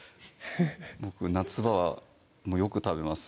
僕夏場はよく食べます